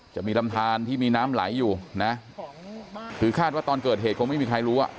จะมีลำทานที่มีน้ำไหลอยู่นะคือคาดว่าตอนเกิดเหตุคงไม่มีใครรู้อ่ะ